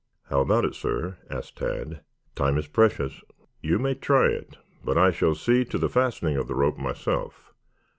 "How about it, sir?" asked Tad. "Time is precious." "You may try it, but I shall see to the fastening of the rope myself.